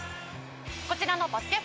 こちらのバスケ☆